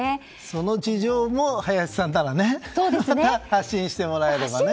その事情も林さんから発信してもらえればね。